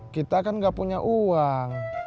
kita kan nggak punya uang